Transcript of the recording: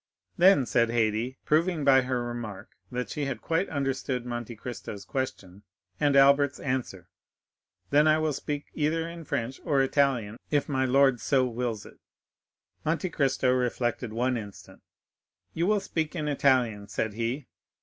"Then," said Haydée, proving by her remark that she had quite understood Monte Cristo's question and Albert's answer, "then I will speak either in French or Italian, if my lord so wills it." Monte Cristo reflected one instant. "You will speak in Italian," said he.